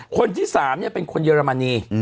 คนที่๓เป็นคนเยอรมนี